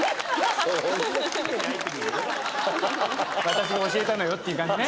私が教えたのよっていう感じね。